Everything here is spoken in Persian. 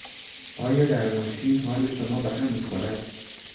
آیا در ماشین حال شما به هم میخورد؟